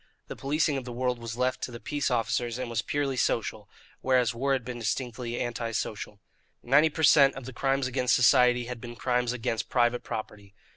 The policing of the world was left to the peace officers and was purely social, whereas war had been distinctly anti social. Ninety per cent. of the crimes against society had been crimes against private property.